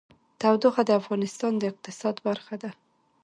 تودوخه د افغانستان د اقتصاد برخه ده.